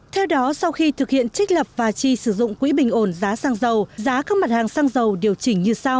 theo đó sau khi thực hiện trích lập và chi sử dụng quỹ bình ổn giá xăng dầu giá các mặt hàng xăng dầu điều chỉnh như sau